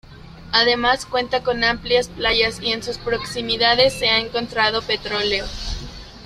Además cuenta con amplias playas y en sus proximidades se ha encontrado petróleo.